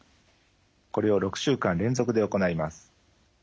これを６週間連続で行います。